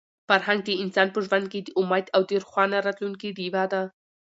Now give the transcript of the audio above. فرهنګ د انسان په ژوند کې د امید او د روښانه راتلونکي ډیوه ده.